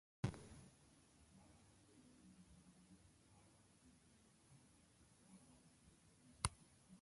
Amaanam ediọọñọ ke esai mme itie adiduuñọ udọñọ itiaita ke iyiip mme owo mi ke sted nnyịn.